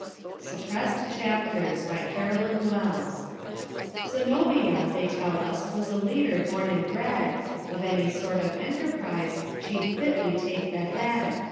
SUPPRESSED CHAPTERS BY CAROLYN WELLS Zenobia, they tell us, was a leader born and bred; Of any sort of enterprise she'd fitly take the head.